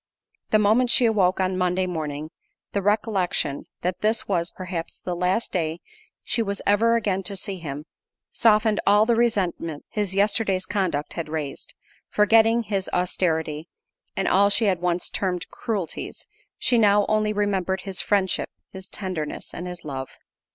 The moment she awoke on Monday morning, the recollection, that this was, perhaps, the last day she was ever again to see him, softened all the resentment his yesterday's conduct had raised: forgetting his austerity, and all she had once termed cruelties, she now only remembered his friendship, his tenderness, and his love.